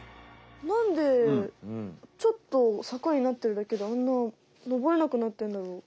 なんでちょっと坂になってるだけであんな登れなくなってるんだろう？